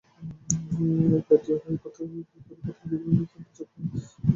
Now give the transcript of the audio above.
পেট দিয়ে পায়ুপথ তৈরি করতে দুই দফা শিশুটির অস্ত্রোপচার করা হয়।